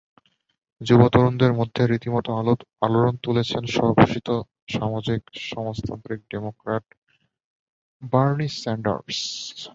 যুব তরুণদের মধ্যে রীতিমতো আলোড়ন তুলেছেন স্বঘোষিত সামাজিক সমাজতান্ত্রিক ডেমোক্র্যাট বার্নি স্যান্ডার্স।